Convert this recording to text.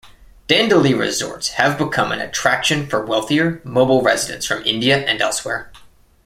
Dandeli resorts have become an attraction for wealthier, mobile residents from India and elsewhere.